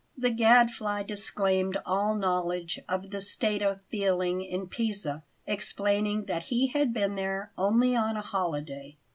The Gadfly disclaimed all knowledge of the state of feeling in Pisa, explaining that he had been there "only on a holiday."